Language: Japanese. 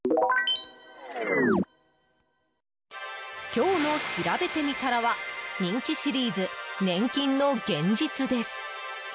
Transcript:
今日のしらべてみたらは人気シリーズ、年金の現実です。